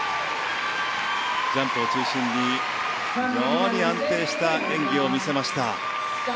ジャンプを中心に非常に安定した演技を見せました。